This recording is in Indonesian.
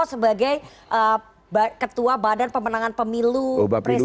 sebagai ketua badan pemenangan pemilu presiden partai golkar